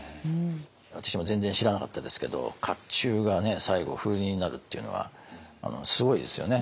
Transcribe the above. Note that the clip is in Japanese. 私も全然知らなかったですけど甲冑が最後風鈴になるっていうのはすごいですよね。